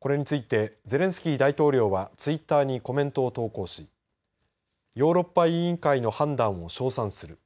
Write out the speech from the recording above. これについてゼレンスキー大統領はツイッターにコメントを投稿しヨーロッパ委員会の判断を称賛する。